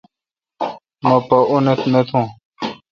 مہ پا اوتھ نہ تھون۔